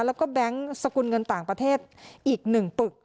แล้วก็แบงค์สกุลเงินต่างประเทศอีก๑ปึก